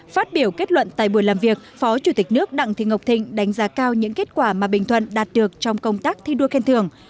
phát biểu kết luận tại buổi làm việc phó chủ tịch nước đặng thị ngọc thịnh đánh giá cao những kết quả mà bình thuận đạt được trong công tác thi đua khen thưởng